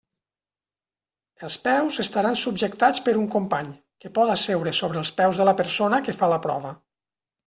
Els peus estaran subjectats per un company, que pot asseure's sobre els peus de la persona que fa la prova.